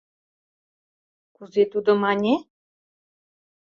— Кузе тудо мане?